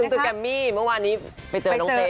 พูดถึงสุดแกมมี่เมื่อวานนี้ไปเจอน้องเจมส์